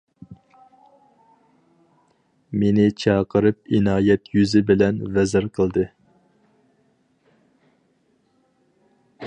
مېنى چاقىرىپ ئىنايەت يۈزى بىلەن ۋەزىر قىلدى.